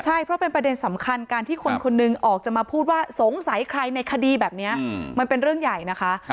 ใช่เพราะเป็นประเด็นสำคัญการที่คนคนหนึ่งออกจะมาพูดว่าสงสัยใครในคดีแบบนี้มันเป็นเรื่องใหญ่นะคะ